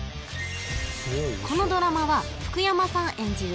このドラマは福山さん演じる